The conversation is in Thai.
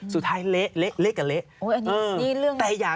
สุดท้ายเละเละกับเละ